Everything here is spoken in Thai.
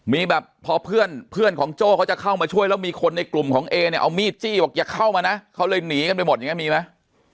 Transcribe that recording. มีแบบพอเพื่อนเพื่อนของโจ้เขาจะเข้ามาช่วยแล้วมีคนในกลุ่มของเอเนี่ยเอามีดจี้บอกอย่าเข้ามานะเขาเลยหนีกันไปหมดอย่างนี้มีไหม